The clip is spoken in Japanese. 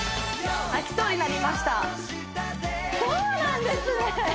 そうなんですね！